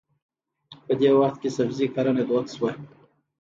په دې وخت کې سبزي کرنه دود شوه.